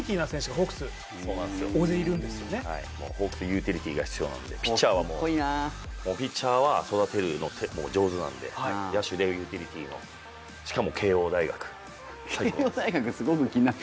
ホークス、ユーティリティーが必要なんでピッチャーは育てるの上手なんで野手でユーティリティーしかも慶応大学、最高です。